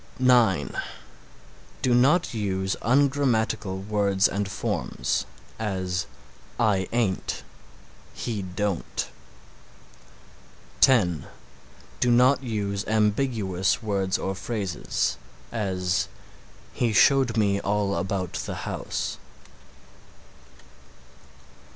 (9) Do not use ungrammatical words and forms; as, "I ain't;" "he don't." (10) Do not use ambiguous words or phrases; as "He showed me all about the house."